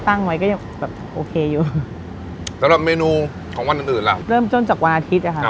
ตั้งไว้ก็ยังแบบโอเคอยู่สำหรับเมนูของวันอื่นอื่นล่ะเริ่มต้นจากวันอาทิตย์อ่ะค่ะ